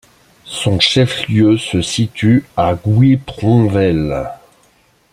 Son chef-lieu se situe à Guipronvel.